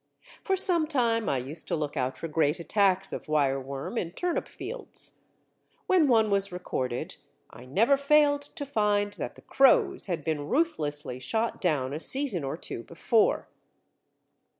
For some time I used to look out for great attacks of wireworm in turnip fields: when one was recorded, I never failed to find that the crows had been ruthlessly shot down a season or two before.